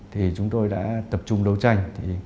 thì chúng tôi đã tập trung đấu tranh